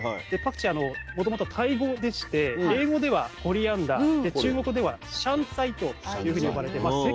でパクチーもともとはタイ語でして英語ではコリアンダー中国語では香菜というふうに呼ばれています。